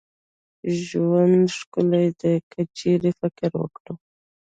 ژوند ښکلې دي که چيري فکر وکړو